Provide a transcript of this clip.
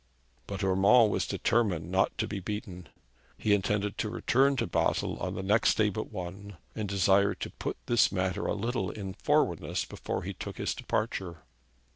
But Urmand was determined not to be beaten. He intended to return to Basle on the next day but one, and desired to put this matter a little in forwardness before he took his departure.